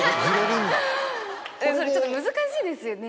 それちょっと難しいですよね。